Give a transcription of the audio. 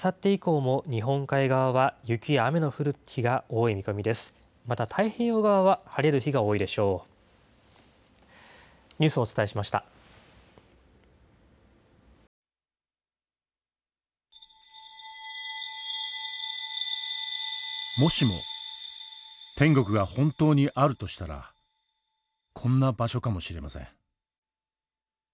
もしも天国が本当にあるとしたらこんな場所かもしれません。